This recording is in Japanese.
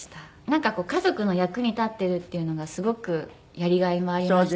なんか家族の役に立っているっていうのがすごくやりがいもありましたし。